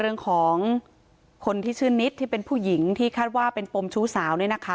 เรื่องของคนที่ชื่อนิดที่เป็นผู้หญิงที่คาดว่าเป็นปมชู้สาวเนี่ยนะคะ